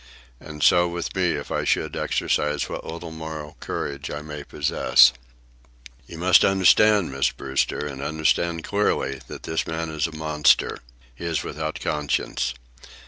And so with me if I should exercise what little moral courage I may possess. "You must understand, Miss Brewster, and understand clearly, that this man is a monster. He is without conscience.